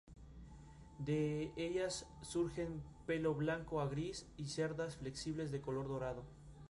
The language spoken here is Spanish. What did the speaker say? De ellas surgen pelo blanco a gris y cerdas flexibles de color dorado.